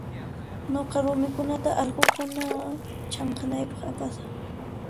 Nuqa rumikunata allqukuna chanqanaypaq apasaq.